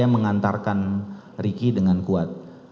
mengeluarkan ricky dengan kuat